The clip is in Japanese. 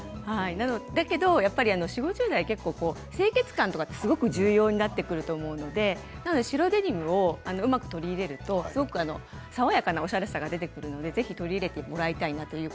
だけど、４０、５０代は清潔感がすごく重要になってくると思うので白デニムをうまく取り入れると爽やかなおしゃれさが出てくるので、ぜひ取り入れてもらいたいです。